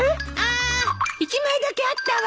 あ１枚だけあったわ！